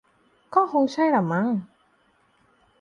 ก็คงใช่ละมั้ง